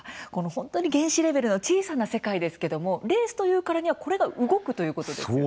本当に原子レベルの小さな世界ですけどもレースというからにはこれが動くということですよね？